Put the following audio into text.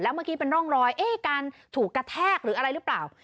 เมื่อกี้เป็นร่องรอยการถูกกระแทกหรืออะไรหรือเปล่า